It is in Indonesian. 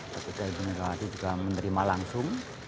ketika itu juga menerima langsung